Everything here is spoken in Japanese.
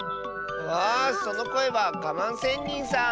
あそのこえはガマンせんにんさん！